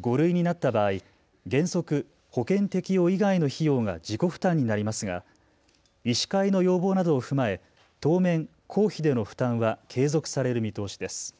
５類になった場合、原則保険適用以外の費用が自己負担になりますが、医師会の要望などを踏まえ当面、公費での負担は継続される見通しです。